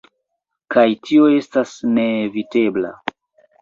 Kaj tio estas neevitebla.